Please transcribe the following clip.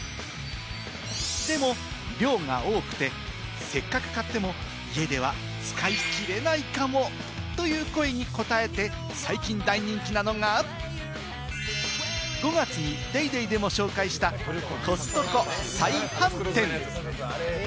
でも、量が多くて、せっかく買っても家では使い切れないかもという声に応えて最近大人気なのが、５月に『ＤａｙＤａｙ．』でも紹介したコストコ再販店。